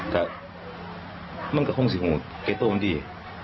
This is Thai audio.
แต่มันก็คงจะอยู่อยู่ใกล้ตรงด้วย